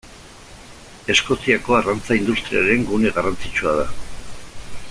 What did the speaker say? Eskoziako arrantza industriaren gune garrantzitsua da.